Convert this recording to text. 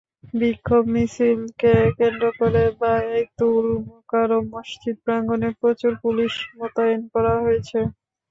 বিক্ষোভ মিছিলকে কেন্দ্র করে বায়তুল মোকাররম মসজিদ প্রাঙ্গণে প্রচুর পুলিশ মোতায়েন করা হয়েছে।